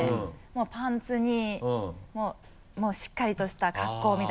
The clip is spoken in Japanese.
パンツにしっかりとした格好みたいな。